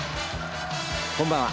こんばんは。